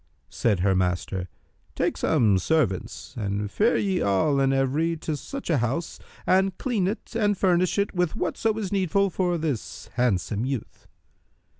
Said her master, "Take some servants and fare ye all and every to such a house and clean it and furnish it with whatso is needful for this handsome youth."